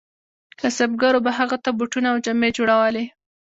کسبګرو به هغو ته بوټونه او جامې جوړولې.